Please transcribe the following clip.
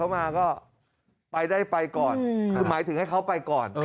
ไม่ได้ไปก่อนหมายถึงให้เขาไปก่อน